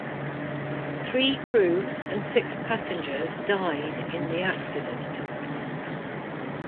Three crew and six passengers died in the accident.